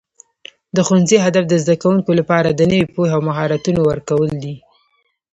د ښوونځي هدف د زده کوونکو لپاره د نوي پوهې او مهارتونو ورکول دي.